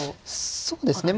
そうですね。